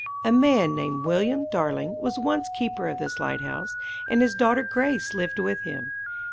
A man named William Darling was once keeper of this lighthouse, and his daughter Grace lived with him.